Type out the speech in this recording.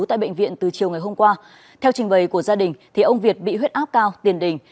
tại bệnh viện từ chiều ngày hôm qua theo trình bày của gia đình ông việt bị huyết áp cao tiền đình